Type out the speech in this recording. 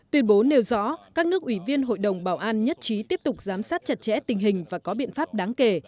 tuyên bố nêu rõ các nước ủy viên hội đồng bảo an nhất trí tiếp tục giám sát chặt chẽ tình hình và có biện pháp đáng kể